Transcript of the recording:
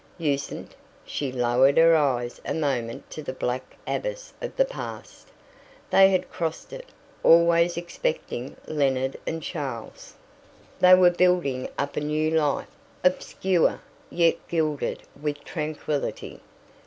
"Usen't!" She lowered her eyes a moment to the black abyss of the past. They had crossed it, always excepting Leonard and Charles. They were building up a new life, obscure, yet gilded with tranquillity.